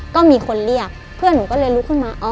ก็มีคนเรียกเพื่อนหนูก็เลยลุกขึ้นมา